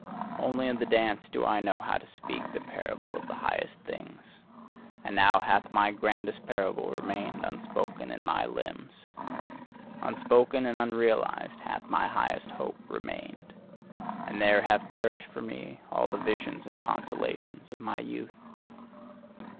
Only in the dance do I know how to speak the parable of the highest things: and now hath my grandest parable remained unspoken in my limbs! Unspoken and unrealised hath my highest hope remained! And there have perished for me all the visions and consolations of my youth!